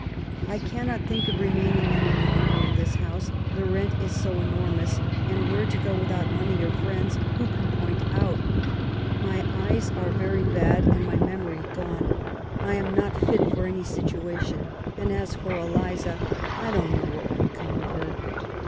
I cannot think of remaining any longer in this house, the rent is so enormous; and where to go, without money or friends, who can point out ? My eyes LIFE A8 GOVERNESS. 47 are yery bad and my memory gone. I am not fit for any sitaation ; and as for Eliza, I don't know what will become of her.